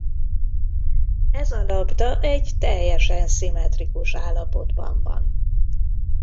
Ez a labda egy teljesen szimmetrikus állapotban van.